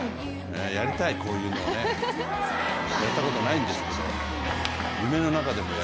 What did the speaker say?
やりたい、こういうのをねやったことないんですけど。